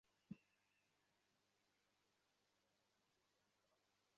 আমি তোমাকে এখান থেকে বের করবো।